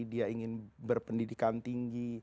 dia ingin berpendidikan tinggi